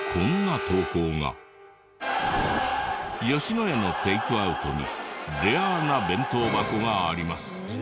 野家のテイクアウトにレアな弁当箱があります。